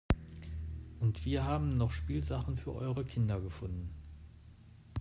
Und wir haben noch Spielsachen für eure Kinder gefunden.